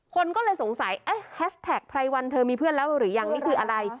คนก็เลยสงสัยแฮชแท็กไพรวันเธอมีเพื่อนแล้วหรือยังนี่คืออะไร